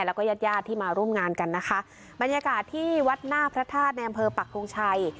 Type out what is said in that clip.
แล้วก็ญาติญาติที่มาร่วมงานกันนะคะบรรยากาศที่วัดหน้าพระธาตุในอำเภอปักทงชัย